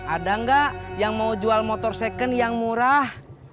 ada nggak yang mau jual motor second yang murah